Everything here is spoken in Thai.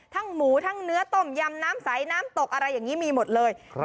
หมูทั้งเนื้อต้มยำน้ำใสน้ำตกอะไรอย่างนี้มีหมดเลย